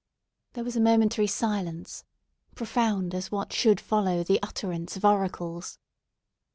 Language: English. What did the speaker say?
There was a momentary silence, profound as what should follow the utterance of oracles.